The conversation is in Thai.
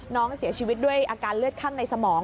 น้องเสียชีวิตด้วยอาการเลือดข้างในสมอง